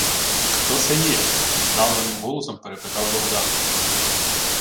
— Хто се є? — здавленим голосом перепитав Богдан.